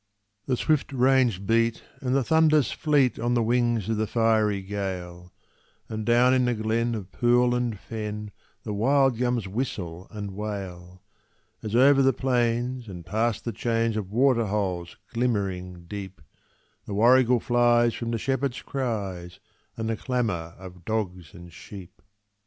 The swift rains beat, and the thunders fleet On the wings of the fiery gale, And down in the glen of pool and fen, The wild gums whistle and wail, As over the plains and past the chains Of waterholes glimmering deep, The warrigal flies from the shepherd's cries, And the clamour of dogs and sheep.